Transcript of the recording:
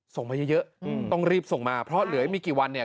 ส่งมาเยอะต้องรีบส่งมาเพราะเหลืออีกไม่กี่วันเนี่ย